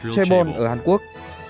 trebon ở hàn quốc